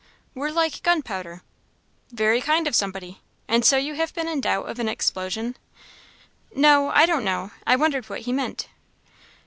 "Were like gunpowder." "Very kind of somebody! And so you have been in doubt of an explosion?" "No I don't know I wondered what he meant."